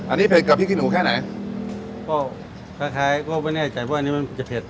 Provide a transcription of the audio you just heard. อันนี้เผ็ดกับพริกขี้หนูแค่ไหนก็คล้ายคล้ายก็ไม่แน่ใจว่าอันนี้มันจะเผ็ด